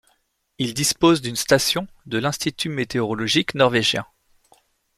Il dispose d'une station de l'Institut météorologique norvégien.